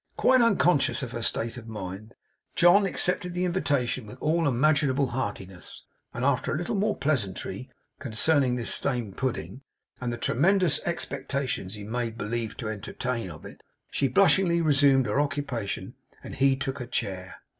Quite unconscious of her state of mind, John accepted the invitation with all imaginable heartiness; and after a little more pleasantry concerning this same pudding, and the tremendous expectations he made believe to entertain of it, she blushingly resumed her occupation, and he took a chair.